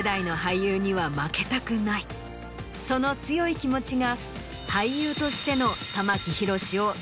その強い気持ちが。